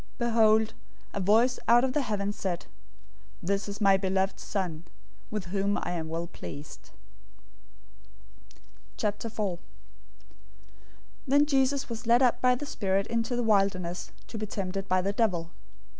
003:017 Behold, a voice out of the heavens said, "This is my beloved Son, with whom I am well pleased." 004:001 Then Jesus was led up by the Spirit into the wilderness to be tempted by the devil.